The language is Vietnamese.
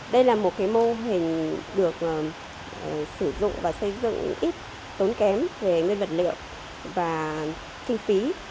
đây là một mô hình được sử dụng và xây dựng ít tốn kém về nguyên vật liệu và kinh phí